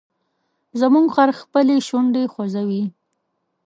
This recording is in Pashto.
زموږ خر خپلې شونډې خوځوي.